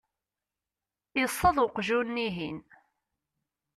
iṣṣeḍ uqjun-ihin.